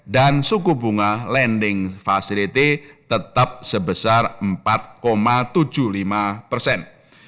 dan suku bunga lending facility tetap sebesar empat tujuh puluh lima persen